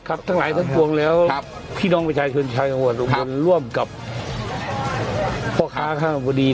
ครับทั้งหลายทั้งกวงแล้วพี่น้องประชาชนชายอ่ะห่วงร่วมกับพ่อค้าข้างหลังบดี